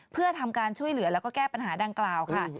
เพื่อทำการช่วยเหลือแล้วก็แก้ปัญหาดังกล่าวค่ะ